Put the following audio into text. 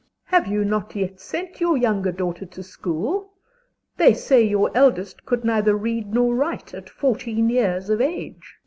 MRS. S. Have you not yet sent your younger daughter to school? They say your eldest could neither read nor write at fourteen years of age. DOMINIE.